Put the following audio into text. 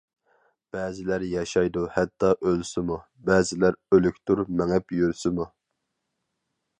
بەزىلەر ياشايدۇ ھەتتا ئۆلسىمۇ، بەزىلەر ئۆلۈكتۇر مېڭىپ يۈرسىمۇ.